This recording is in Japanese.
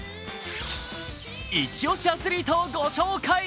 イチ推しアスリートをご紹介。